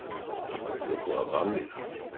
何かよく分かんねえな